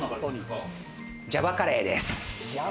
ジャワカレーです。